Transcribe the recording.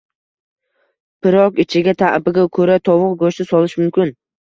Pirog ichiga ta’bga ko‘ra tovuq go‘shti solish mumkin